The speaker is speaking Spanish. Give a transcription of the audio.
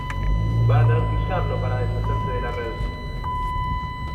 van a tener que usarlo para deshacerse de la red.